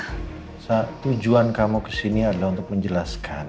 nah tujuan kamu kesini adalah untuk menjelaskan